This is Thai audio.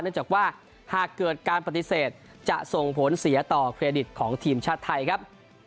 จากว่าหากเกิดการปฏิเสธจะส่งผลเสียต่อเครดิตของทีมชาติไทยครับ